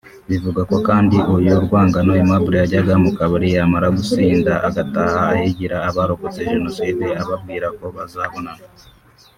Bivugwa ko kandi uyu Rwangano Aimable yajyaga mu kabari yamara gusinda agataha ahigira abarokotse Jenoside ababwira ko bazabonana